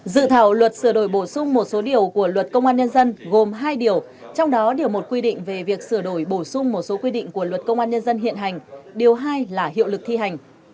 dự thảo luật sửa đổi bổ sung một số điều của luật công an nhân dân gồm hai điều trong đó điều một quy định về việc sửa đổi bổ sung một số quy định của luật công an nhân dân hiện hành điều hai là hiệu lực thi hành